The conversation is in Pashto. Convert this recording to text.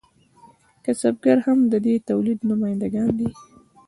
کسبګر هم د دې تولید نماینده ګان دي.